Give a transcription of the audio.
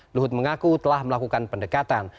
luhut mengaku telah melakukan pendekatan